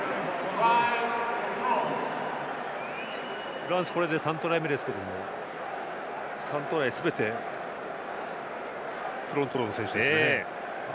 フランスはこれで３トライ目ですが３トライすべてフロントローの選手ですね。